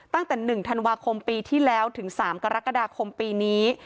ตั้งแต่๑ธันวาคมปีที่แล้วถึง๓กรกฎาคมปีนี้